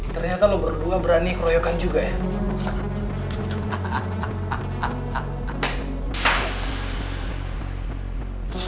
ternyata lo berdua berani keroyokan juga ya